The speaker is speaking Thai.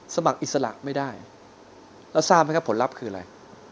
สมัครอิสระไม่ได้แล้วทราบไหมครับผลลัพธ์คืออะไร